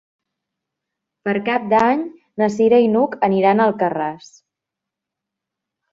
Per Cap d'Any na Cira i n'Hug aniran a Alcarràs.